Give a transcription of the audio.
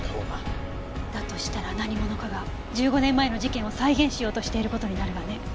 だとしたら何者かが１５年前の事件を再現しようとしている事になるわね。